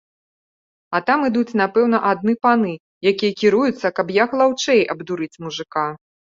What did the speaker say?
А там ідуць напэўна адны паны, якія кіруюцца, каб як лаўчэй абдурыць мужыка.